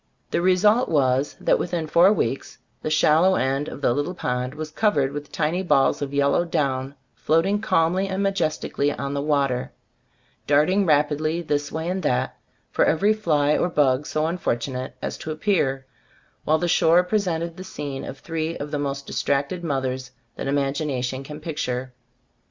The result was, that within four weeks, the shallow end of the little pond was covered with tiny balls of yellow down float ing calmly and majestically on the XTbe stors of As cbt idbooft 69 water — darting rapidly this way and that, for every fly or bug so unfortu nate as to appear, while the shore pre sented the scene of three of the most distracted mothers that imagination can picture.